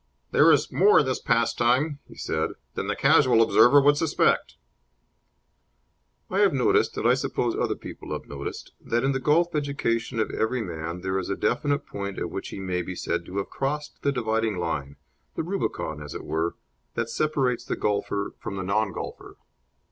"There is more in this pastime," he said, "than the casual observer would suspect." I have noticed, and I suppose other people have noticed, that in the golf education of every man there is a definite point at which he may be said to have crossed the dividing line the Rubicon, as it were that separates the golfer from the non golfer.